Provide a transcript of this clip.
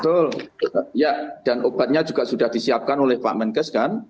betul dan obatnya juga sudah disiapkan oleh pak menkes kan